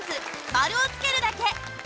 丸をつけるだけ」。